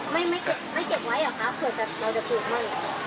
ไม่เก็บไว้เหรอครับเผื่อเราจะถูกมั่นเหรอ